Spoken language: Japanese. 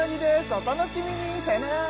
お楽しみにさよなら